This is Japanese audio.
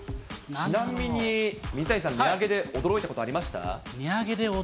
ちなみに水谷さん、値上げで驚いたこと？